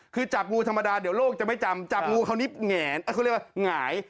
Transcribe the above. คือจับงูธรรมดาเดี๋ยวโลกจะไม่จำจับงูคราวนี้แหงเขาเรียกว่าหงาย